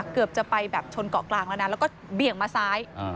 เกือบจะไปแบบชนเกาะกลางแล้วนะแล้วก็เบี่ยงมาซ้าย